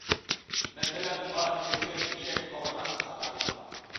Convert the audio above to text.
مەسىلەن: ئات، قېچىر، ئېشەك، بۇغا تاقىسى قاتارلىقلار.